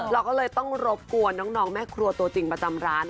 เราก็เลยต้องรบกวนน้องแม่ครัวตัวจริงประจำร้าน